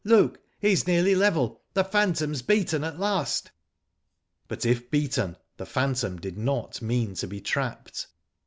Look! He's nearly level. The phantom's beaten at last." But if beaten, the phantom did not mean to be trapped.